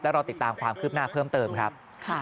รอติดตามความคืบหน้าเพิ่มเติมครับ